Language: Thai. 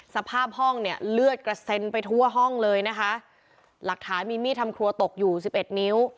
สภาพห้องเนี่ยเลือดกระเซ็นไปทั่วห้องเลยนะคะหลักฐานมีมีดทำครัวตกอยู่สิบเอ็ดนิ้ว